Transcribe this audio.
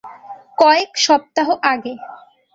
কয়েক সপ্তাহ আগে।